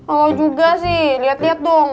lo juga sih liat liat dong